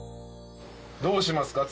どうしますか？